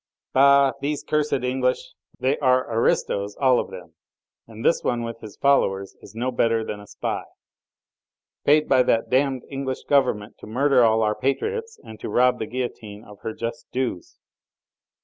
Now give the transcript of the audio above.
"Bah! these cursed English! They are aristos all of them! And this one with his followers is no better than a spy!" "Paid by that damned English Government to murder all our patriots and to rob the guillotine of her just dues."